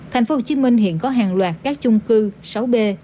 thành phố hồ chí minh hiện có hàng loạt các chung cư sáu b